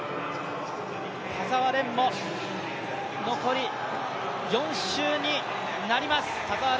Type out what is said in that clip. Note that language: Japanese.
田澤廉も残り４周になります。